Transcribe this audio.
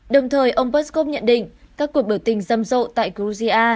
đồng thời ông peskov nhận định các cuộc biểu tình râm rộ tại georgia